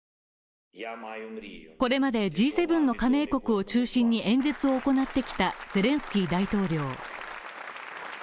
これまでＧ７の加盟国を中心に演説を行ってきたゼレンスキー大統領。